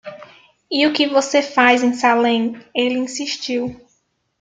"E o que você faz em Salem?" ele insistiu.